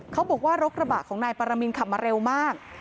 เขาบอกว่ารถกระบะของนายปรมินขับมาเร็วมาก